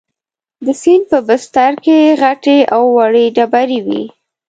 د سیند په بستر کې غټې او وړې ډبرې وې.